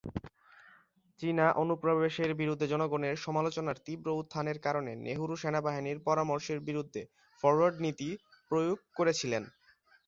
চীনা অনুপ্রবেশের বিরুদ্ধে জনগণের সমালোচনার তীব্র উত্থানের কারণে নেহেরু সেনাবাহিনীর পরামর্শের বিরুদ্ধে "ফরওয়ার্ড নীতি" প্রয়োগ করেছিলেন।